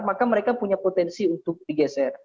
maka mereka punya potensi untuk digeser